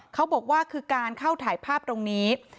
เขาบอกว่าคือการเข้าถ่ายภาพตรงนี้